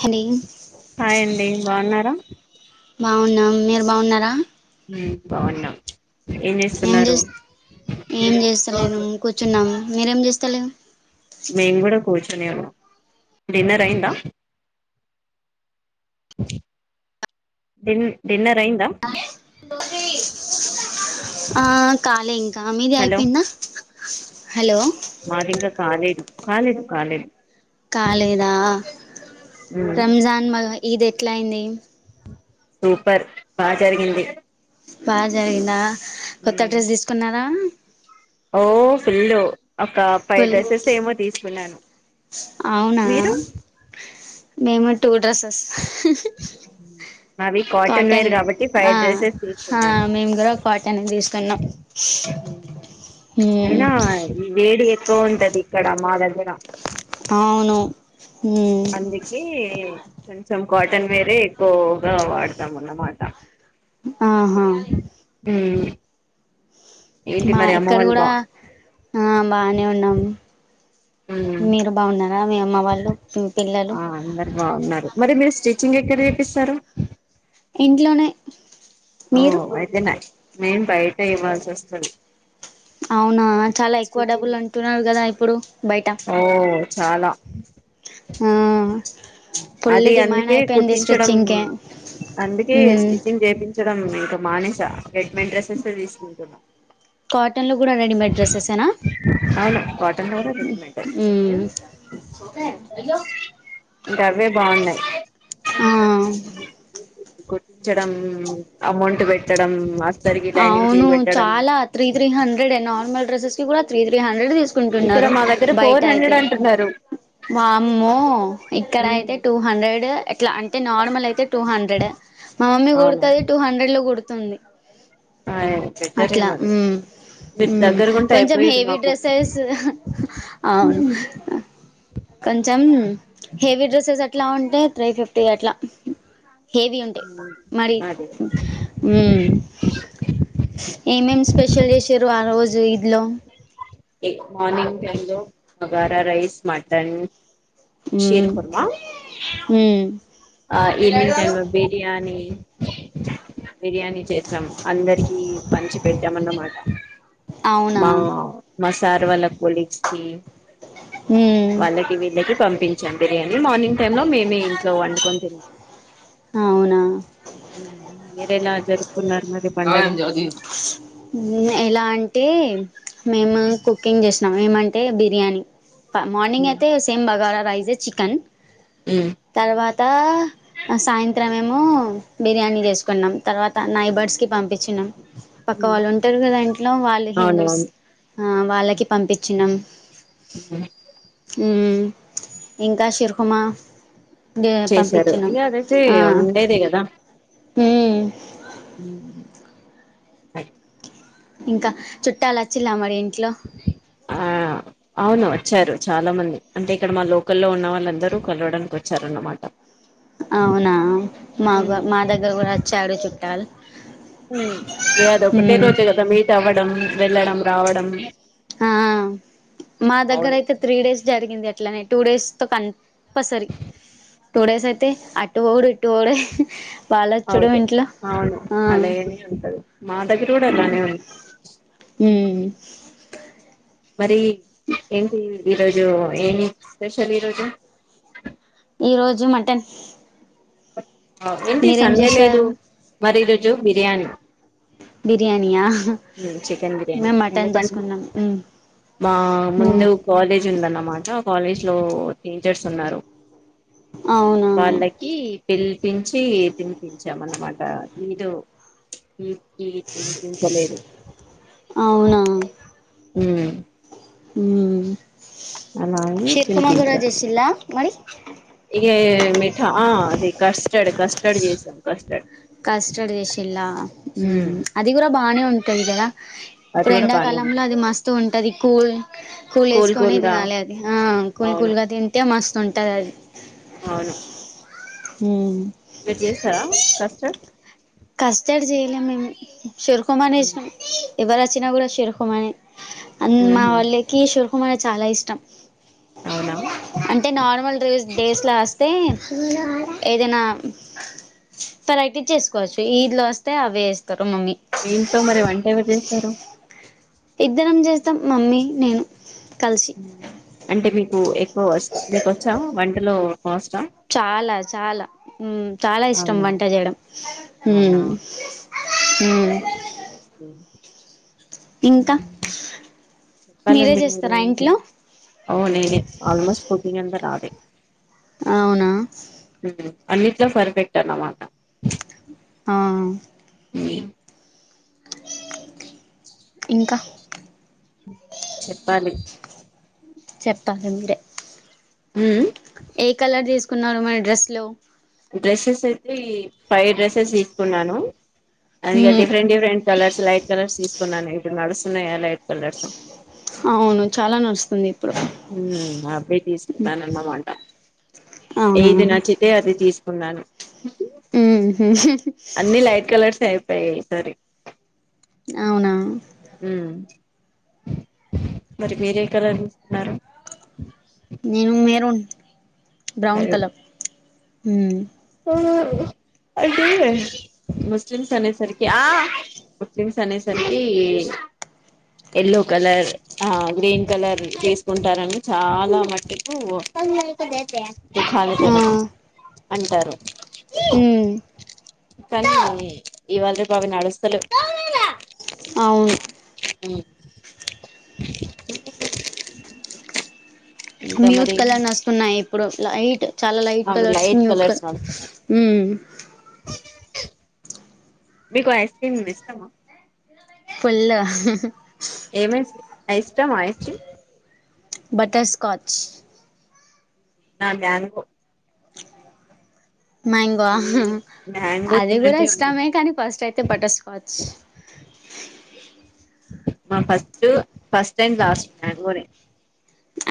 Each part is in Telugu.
హలో హాయ్ అండి బాగున్నారా బాగున్నం మీరు బాగున్నారా మ్మ్ బాగున్నాం ఏం చేస్ ఏం చేస్తాలేను కూర్చున్నాము మీరేం చేస్తలే మెన్ కూడ కూచునే ఉన్నాం డిన్నర్ అయిందా [unintelligible] డిన్నర్ అయిందా ఆ కాలే ఇంకా మీది అయిపోయిందా హలో మాదింగా కాలేదు కాలేదు కాలేదు కాలేదా ఉమ్ రంజాన్ మ ఇది ఎట్లా అయింది సూపర్ బా జరిగింది బాగా జరిగిందా కొత్త ఉమ్ డ్రెస్ తీసుకున్నారా ఓ ఫుల్లు ఒక ఫైవ్ ఫుల్ డ్రెస్సెస్ ఏమో తీసుకున్నాను అవునా మీరు మేము కూడా టూ డ్రస్సెస్ నావి కాటన్ వేర్ కాటనే కాబట్టి ఆ ఫైవ్ డ్రెస్సెస్ ఆ తీసుకున్నాను మేము కూడా కాటన్ తీసుకున్నాం హ్మ్ కో ఉంటది ఇక్కడ మా దగ్ అవును హ్మ్ అందుకే కొంచెం కాటన్ వేరే ఎక్కువగా వాడతాం అన్నమాట ఆహా హ్మ్ మా ఇక్కడ కూడ ఆ బానే ఉన్నాము. ఉమ్ మీరు బాగున్నారా? మీ అమ్మ వాళ్ళు, ఇం పిల్లలు. ఆ అందరు బాగున్నారు మరి మీరు స్టిచ్చింగ్ ఎక్కడ చేపిస్తారు? ఇంట్లోనే. ఓ మీరు అయితే నా, మేం బయటె ఇవ్వాల్సోస్తది అవునా! చాల ఎక్కువ డబ్బులు అంటున్నారు కదా! ఇప్పుడు బయ ఓ చాల. ఆ ఫుల్ అది డిమాండ్ అందుకే అయిపోయింది కుట్టించడం. స్టిచ్చింగ్ కే అందుకే మ్మ్ స్టిచ్చింగ్ చేపించడం ఇంక మానేస. రెడ్మేడ్ డ్రెస్సెస్ ఎ తీసుకుంటున్నా. కాటన్ లో కూడా రెడీమేడ్ డ్రెస్సెస్సెన? అవును కాటన్ లో కూడా రెడీమేడ్ ఉ మ్ ఇంక అవే బాగున్నాయి. ఆ కుట్టించడం, అమౌంట్ పెట్టడం, అస్తరికి లైనింగ్ కి అవును పెట్టడం చాలా త్రీ త్రీ హండ్రెడె. నార్మల్ డ్రెసెస్ కి కూడా త్రీ త్రీ హన్ హండ్రెడ్ ఇక్కడ తీసుకుంటన్నారు మా దగ్గర బయట ఫోర్ అయితె. హండ్రెడ్ అంటున్నారు వామ్మో ఇక్కడ ఉమ్ అయితే, టూ హండ్రెడ్ అట్లా అంటే నార్మల్ అయితే టూ హండ్రెడ్. మా మమ్మీ అవును కుడుతది టూ హండ్రెడ్ లో కుడుతుంది. ఆ బెటరే అట్ల మరి మ్మ్ మీరు మ్మ్ దగ్గరగుంటే కొంచెం అయిపోయేది హెవి మాకు డ్రెస్సెస్, అవును. కొంచెం హెవీ డ్రెస్సెస్ అట్లా ఉంటే, త్రీ ఫిఫ్టీ అట్లా. హేవీ ఉంటె. మరీ, అదే ఏమేం స్పెషల్ చేసిర్రు? ఆ రోజు ఈద్ లో మర్నింగ్ టైం లో, బగారా రైస్, మటన్. శీరు కుర్మా. మ్ ఆ ఈవనింగ్ టైమ్ లో బిర్యానీ. బిర్యానీ చేసాం. అందరికి పంచి పెట్టాం అన్నమాట. అవునా మా మా సార్ వాళ్ళ కోలీగ్స్. మ్మ్. మ్మ్ వాళ్ళకి, వీళ్ళకి పంపించం బిర్యానీ. ల్లి మార్నింగ్ టైమ్ లో, మేమే ఇంట్లో వండుకొని, అవునా! మ్ మీరెలా జరుప్ ఎలా అంటే, మేము కుకింగ్ చేస్ నం ఏమంటే, బిర్యానీ. మార్నింగ్ అయితే, సేమ్ బగారా రైసె చికన్. ఉమ్ తర్వాత అ సాయంత్రం, మెమో బిర్యానీ చేసుకున్నాం. తర్వాత నైబర్స్ కి పంపించినం. పక్క వాళ్ళు ఉంటారు కదా ఇంట్లో వాళ్ళు హిందూస్. అవునవును వాళ్ళకి పంపించినాం. హ మ్మ్ ఇంకా షర్హుమా ది చేశారు పంపించినం ఇగ అదైతే ఆ ఉండేదే హుం మ్ బాయ్ ఇంకా చుట్టాల్ వచ్చిల్ల మరి? ఇన్ ఆ అవును. వచ్చారు చాలా మంది అంటే ఇక్కడ మా లోకల్లో ఉన్న వాళ్ళందరూ కలవడానికి వచ్చారన్నమాట. అవునా! మాగ ఉమ్ మా దగ్గర కూడ వచ్చారు చుట్టాలు. హ్మ్ ఏ అదోకటే ఉమ్ రోజె కదా! మీట్ అవ్వడం, వెళ్ళడం, రావడం. ఆ మా అవును దగ్గరయితే త్రీ డేస్ జరిగింది అట్లనే. టూ డేస్ తో కన్పసరి. టుడేస్ అయితే, అటు పోవుడు ఇటు పోవుడే. వాళ్ళొచ్చుడు అవుదు ఇంట్లో అవును. ఆ అలయనే ఉంటది. మాదగిరకూడా అలానే ఉంది ఉమ్ మరి ఏంటి ఈరోజు ఏమి స్పెషల్ ఈరోజు ఈ రోజు మటన్ ఏంటి మీరేం సండే లేదు చేశారు మరి ఈ రోజు బిర్యానీ బిర్యానియా చికెన్ బిర్యానీ మేము మటన్ ఎందుకంటే చేసుకున్నాం మ్ మా ముందు కాలేజ్ ఉందన్నమాట ఆ కాలేజ్ లో టీచర్స్ ఉన్నారు అవునా వాళ్ళకి పిల్ పిల్చి తినిపించాం అన్నమాట ఈదో ఈద్ తినిపించలేదు అవునా మ్ మ్ అలాగే శర్కుమకమ కూడా చేసిల్ల ఇగ మిఠా ఆ అది కస్టర్డ్ కస్టర్డ్ చేసాం కస్టర్డ్ కస్టర్డ్ చేషిలా మ్మ్ అది కూడా బానే ఉంటుంది కదా అది ఇప్పుడు కూడా బానే ఎండాకాలం లం ఉంది ల అది మస్తు ఉంటది కూల్ కూల్ వేసుకొని తినాలే అది ఆ కూల్ అవును కూల్గా తింటే మస్ ఉంటది అది అవును మ్ మీరు చేస్తారా కస్టర్డ్ కస్టడ్ చేయలే మేము షిర్ఖమాని ఉమ్. చేసినం ఎవరు వచ్చినా కూడా షిర్కుమానే అన్ మా ఉహు వాళ్ళకి షుర్కుమానే చాలా ఇష్టం అవునా అంటే నార్మల్ రోజ్ డేస్ల వస్తే ఏదైనా తరైటీ చేసుకోవచ్చు ఈద్ లో వస్తే అవి చేస్తరు మీ ఇంట్లో మరి వంట ఎవరు చేస్తారు ఇద్దరం చేస్తాం మమ్మీ నేను కలిసి అంటే మీకు ఎక్కువ మీకు వచ్చా వంటలో కోస్టా చాలా చాలా మ్ చాలా ఇష్టం అవునా వంట చేయడం మ్ అ ఇంకా చెప్పాలండి మీరే చేస్తారా ఇంట్లో అవు నేనే ఆల్మోస్ట్ కుకింగ్ అంత రాదు అవునా అన్నిట్లో పర్ఫెక్ట్ అన్నమాట ఆ మీ [inaudible] [inaudible] ఇంకా చెప్పాలి చెప్తా ఇ మీరే ఉమ్ మ్ ఏ కలర్ తీసుకున్నారు మరీ డ్రెస్ లో డ్రెస్సెస్ అయితే ఫైవ్ డ్రెస్సెస్ తీసుకున్నాను అదిగా మ్మ్ different different colours light colours తీసుకున్నాను ఇప్పుడు నడుస్తున్నాయా కదా లైట్ కలర్స్ అవును చాలా నడుస్తుంది ఇప్పుడు మ్ అవే తీసుకున్నానన్నమాట అవునా ఏది ఉహు. నచ్చితే అది తీస్ కన్నాను అన్ని లైట్ కలర్స్ అయ్ సరే సరి అవునా ఉ మరి మీరేకలర్ తీసుకున్నారు నేను మెరూన్ బ్రౌన్ మరి కలర్ ఐతే ముస్లిమ్స్ అనేసరికి ఆ ముస్లిమ్స్ అనేసరికి ఎల్లో కలర్ ఆ గ్రీన్ కలర్ తీసుకుంటారని చాలా మట్టుకు ఖాలు కాబట్టి అంటారు ఉమ్ కానీ ఇవాళ రేపు అవి నడుస్తాలేవ్ అవును ఉమ్ మ్యూట్ కలర్ నస్తున్నాయి ఇప్పుడు లైట్ చాలా లైట్ అవి కలర్స్ లైట్ మ్యూట్ క కలర్స్ నడుస్తున్నాయి ఉమ్ మీకు ఐస్ క్రీమ్ ఇష్టమా ఫుల్ ఏమై ఇష్టమా ఐస్‌క్రీమ్ బట్టర్ స్కాచ్ నా ననుకు మ్యాంగో మ్యాంగో అది కూడా తిన్నట్టే ఉంటుంది ఇష్టమే కానీ ఫస్ట్ అయితే బటర్ స్కాచ్ మా ఫస్ట్ ఫస్ట్ అండ్ లాస్ట్ మ్యాంగోనే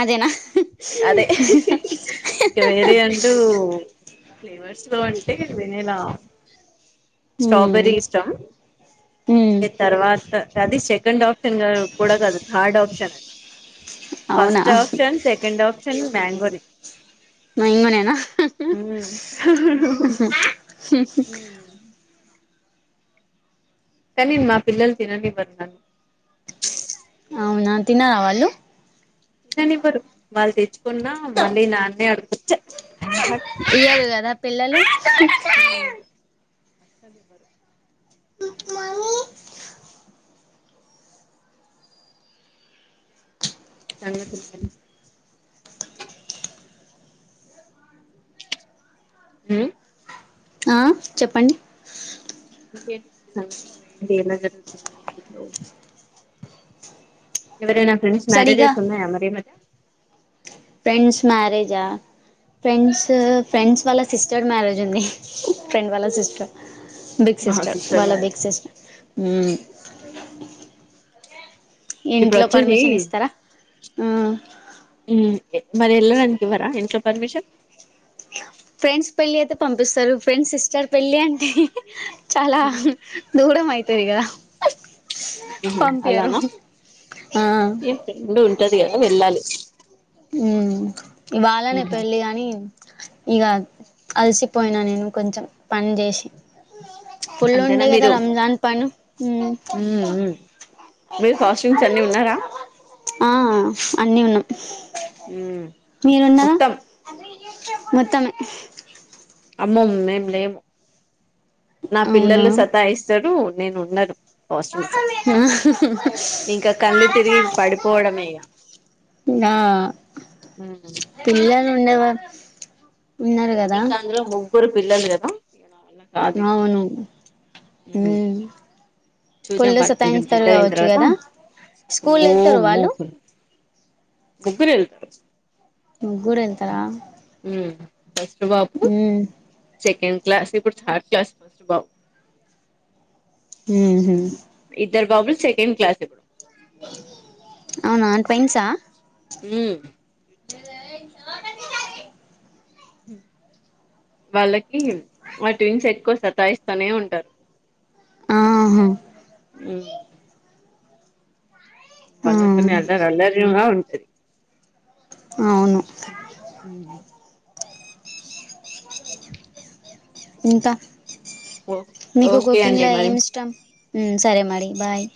అదేనా అదే ఇంక వేరే అంటూ ఫ్లవర్స్ లో అంటే కద వెనీలా హ్మ్ స్ట్రాబెరీ ఇష్టం హ్మ్ ఏ తర్వాత అది సెకండ్ ఆప్షన్ గా కూడా కదు థర్డ్ ఆప్షన్ అవునా ఫస్ట్ ఆప్షన్ సెక మ్యాంగోరి ఇంగనేనా ఊమ్ కనీ మా పిల్లలు తిననివ్వరు ఫస్ట్ తినరావాళ్ళు తిననివ్వరు వాళ్ళు తెచ్చుకున్న మళ్ళీ నాన్నే అడుగుచ్చ ఇవ్వరు కదా పిల్లలు అసలు ఇవ్వరు మమ్మీ చాలగా తింటాను ఊమ్ ఆ చెప్పండి ఇంకేంటి మన సంగతులో ఏంటి ఎలా జరుగుతుంది ఎవరైనా ఫ్రెండ్స్ సరిగా మ్యారేజెస్ ఉన్నాయా మరి మ ఫ్రెండ్స్ మ్యారేజా ఫ్రెండ్స్ ఫ్రెండ్స్ వాళ్ళ సిస్టర్ మ్యారేజ్ ఉంది ఫ్రెండ్ వాళ్ళ సిస్టర్ బిగ్ ఆహా సిస్టర్ వాళ్ళ మ్యారేజ్ బిగ్ సిస్టర్ ఊమ్ ఇప్పుడు ఇంట్లో వచ్చేది పర్మిషన్ ఇస్తారా హు మరి వెళ్ళడానికి ఇంట్లో పర్మిషన్ ఫ్రెండ్స్ పెళ్ళి అయితే పంపిస్తారు ఫ్రెండ్స్ సిస్టర్ పెళ్ళి అంటే చాలా దూరం అయితది కదా ఉహు పంపియ్యరు అలానా ఆ ఏ ఫ్రెండ్ ఉంటది కదా వెళ్ళాలి ఉ ఇవాళనే ఉమ్ పెళ్ళి గాని ఇగా అలసిపోయిన నేను కొంచెం పని చేసి ఫుల్లు అంతేనా ఉండే కదా మీరు రంజాన్ పను ఉ ఉమ్ ఉమ్ మీరు ఫాస్ట్ంగ్స్ అన్ని ఉన్నారా ఆ అన్నీ ఉన్నాం ఉమ్ మీరున్నారా మోత్తం మొత్తమే అమ్మో మేం లేము నా అవునా పిల్లలు సతాయిస్తారు నేను ఉన్నాను పోస్టింగ్స్ ఆ ఇంకా కళ్ళు తిరిగి పడిపోవడమే ఇగ ఆ మ్మ్ పిల్లలు ఉండేవాల్ ఇంకా అందులో ముగ్గురు పిల్లలు కదు నావల్ల కాదిగా అవును మ్మ్ చూద్దాం ఫుల్ వాళ్ళు కొంచెం పెద్ద సతాయిస్తారు అయిన కావచ్చు తర్వాత కదా స్కూల్ వెళ్తారు ఓహ్మ్ వాళ్ళు ముగ్గురు వెళ్తారు ముగ్గురు వెళ్తారా ఉమ్ ఫస్ట్ బాబు మ్మ్ సెకండ్ క్లాస్ ఇప్పుడు థర్డ్ క్లాస్ ఫస్ట్ బాబ్ ఉమ్ హు ఇద్దర్ బబులు సెకండ్ క్లాస్ ఇప్పుడు అవునా అ క్విన్స్ హా ఉమ్ ఎద చా ఉమ్ వాళ్ళకి మా ట్విన్ ఎక్కువ సతాయిస్తూనే ఉంటారు ఆహా ఉమ్ ఆ వళ్ళకి అని అల్ అలరి ఉ అవును ఇంకా ఓ మీకు ఓకే అండి కుకింగ్లో మరి ఏమి ఇష్టం ఉమ్ సరే మరీ బాయ్